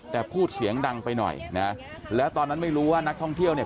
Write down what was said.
แต่พูดเสียงดังไปหน่อยนะแล้วตอนนั้นไม่รู้ว่านักท่องเที่ยวเนี่ย